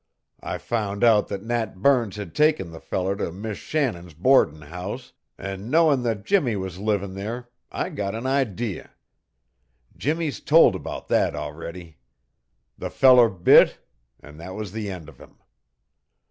I found out that Nat Burns had taken the feller to Mis' Shannon's boardin' house, an', knowin' that Jimmie was livin' there, I got an idee. Jimmie's told about that already. The feller bit, an' that was the end of him.